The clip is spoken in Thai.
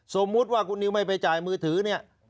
สมมุติว่าคุณนิวไม่ไปจ่ายมือถือเนี่ย